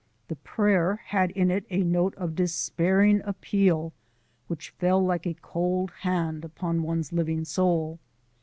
The prayer had in it a note of despairing appeal which fell like a cold hand upon one's living soul.